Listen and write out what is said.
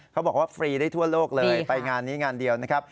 ฟรีได้ทั่วโลกเลยไปงานนี้งานเดียวนะครับ